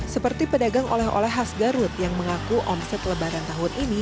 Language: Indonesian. seperti pedagang oleh oleh khas garut yang mengaku omset lebaran tahun ini